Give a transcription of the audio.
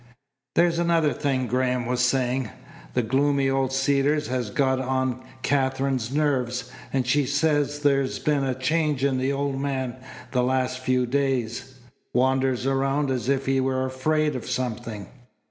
"There's another thing," Graham was saying. "The gloomy old Cedars has got on Katherine's nerves, and she says there's been a change in the old man the last few days wanders around as if he were afraid of something."